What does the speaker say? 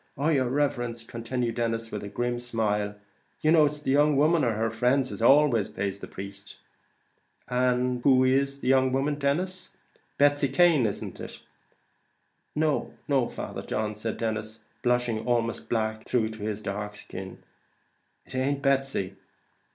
"Oh, yer riverence," continued Denis, attempting a grim smile, "you know it's the young woman, or her friends, as always pays the priest mostly." "And who is the young woman, Denis; Betsy Cane, isn't it?" "No, Father John," said Denis, blushing almost black through his dark skin; "it ain't Betsy."